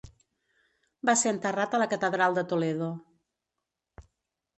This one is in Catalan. Va ser enterrat a la catedral de Toledo.